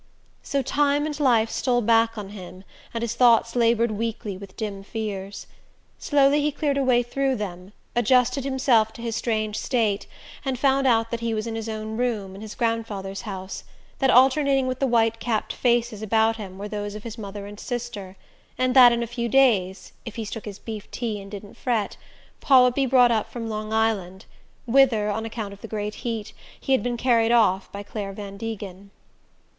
So time and life stole back on him, and his thoughts laboured weakly with dim fears. Slowly he cleared a way through them, adjusted himself to his strange state, and found out that he was in his own room, in his grandfather's house, that alternating with the white capped faces about him were those of his mother and sister, and that in a few days if he took his beef tea and didn't fret Paul would be brought up from Long Island, whither, on account of the great heat, he had been carried off by Clare Van Degen.